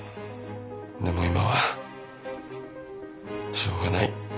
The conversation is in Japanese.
でも今はしょうがない。